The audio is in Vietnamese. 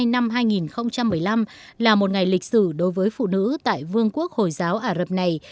năm hai nghìn một mươi năm là một ngày lịch sử đối với phụ nữ tại vương quốc hồi giáo ả rập này